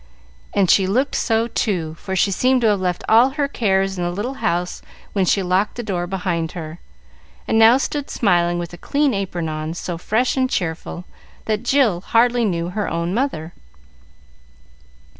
And she looked so, too, for she seemed to have left all her cares in the little house when she locked the door behind her, and now stood smiling with a clean apron on, so fresh and cheerful, that Jill hardly knew her own mother.